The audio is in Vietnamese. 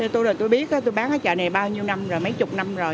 tôi biết tôi bán ở chợ này bao nhiêu năm rồi mấy chục năm rồi